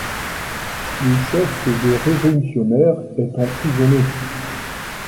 Le chef des révolutionnaires est emprisonné.